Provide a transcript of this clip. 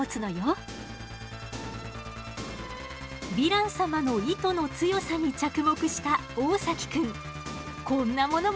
ヴィラン様の糸の強さに着目した大崎くんこんなものも作っちゃったの。